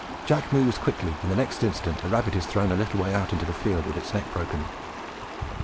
Jack moves quickly, and the next instant a rabbit is thrown a little way out into the field with its neck broken.